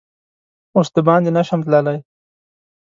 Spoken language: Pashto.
اوس دباندې نه شمه تللا ی